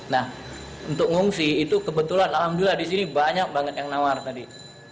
nah untuk ngungsi itu kebetulan alhamdulillah disini banyak banget yang nawar tadi